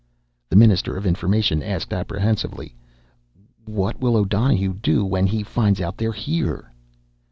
The minister of Information asked apprehensively: "What will O'Donohue do when he finds out they're here?"